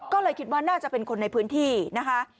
ก็เลยคิดว่าน่าจะเป็นคนในพื้นที่นะคะ